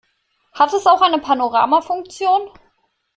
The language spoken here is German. Hat es auch eine Panorama-Funktion?